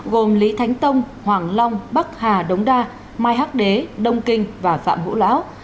gồm lý thánh tông hoàng long bắc hà đống đa mai hắc đế đông kinh và phạm hữu lão